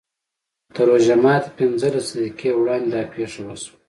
تر روژه ماتي پینځلس دقیقې وړاندې دا پېښه وشوه.